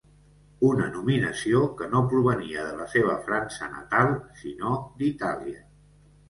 Una nominació que no provenia de la seva França natal sinó d'Itàlia.